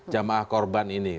jamaah korban ini